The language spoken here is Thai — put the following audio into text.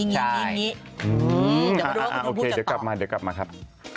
เดี๋ยวมาดูว่าคุณผู้จะตอบโอเคเดี๋ยวกลับมาครับ